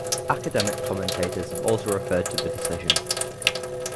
Academic commentators have also referred to the decision.